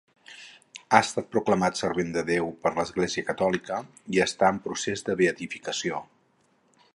Ha estat proclamat servent de Déu per l'Església catòlica i està en procés de beatificació.